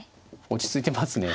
落ち着いてますね。